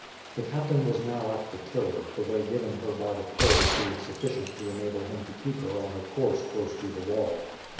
The captain was now at the tiller, the way given her by the poles being sufficient to enable him to keep her on her course close to the wall.